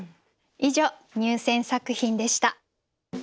以上入選作品でした。